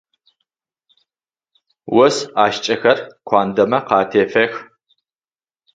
Ос ӏашкӏэхэр куандэмэ къатефэх.